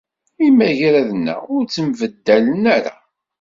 Imagraden-a ur d-ttwabeddalen ara.